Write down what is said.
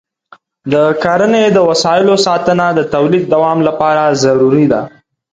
د کرني د وسایلو ساتنه د تولید دوام لپاره ضروري ده.